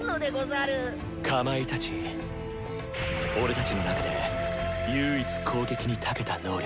俺たちの中で唯一攻撃にたけた能力。